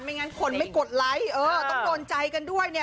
งั้นคนไม่กดไลค์เออต้องโดนใจกันด้วยเนี่ย